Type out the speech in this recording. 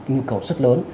nhu cầu rất lớn